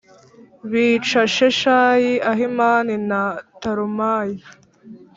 bica Sheshayi, Ahimani na Talumayi.